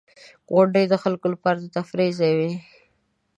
• غونډۍ د خلکو لپاره د تفریح ځای وي.